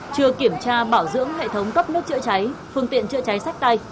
chưa kiểm tra bảo dưỡng hệ thống cấp nước chữa cháy phương tiện chữa cháy sách tay